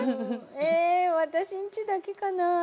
え、私んちだけかな。